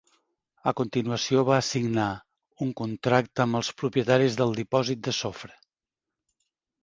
A continuació va signar un contracte amb els propietaris del dipòsit de sofre.